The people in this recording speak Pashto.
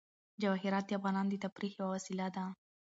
جواهرات د افغانانو د تفریح یوه وسیله ده.